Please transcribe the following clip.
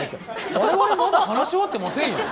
我々まだ話し終わってませんよ。